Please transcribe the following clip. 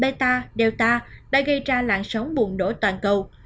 delta beta delta đã gây ra lạng sóng buồn nổ toàn cầu